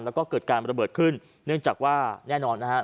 แล้วก็เกิดการระเบิดขึ้นเนื่องจากว่าแน่นอนนะฮะ